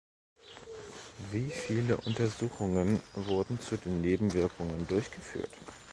Wie viele Untersuchungen wurden zu den Nebenwirkungen durchgeführt?